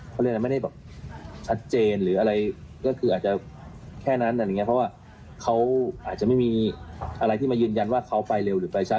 เขาเรียกอะไรไม่ได้แบบชัดเจนหรืออะไรก็คืออาจจะแค่นั้นอะไรอย่างนี้เพราะว่าเขาอาจจะไม่มีอะไรที่มายืนยันว่าเขาไปเร็วหรือไปช้า